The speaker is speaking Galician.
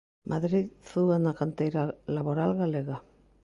'Madrid zuga na canteira laboral galega'.